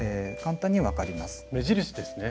目印ですね。